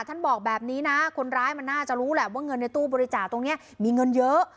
ท่านบอกแบบนี้นะคนร้ายมันน่าจะรู้แหละว่าเงินในตู้บริจาคตรงนี้มีเงินเยอะ